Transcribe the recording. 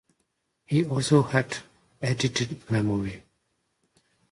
He also has a eidetic memory.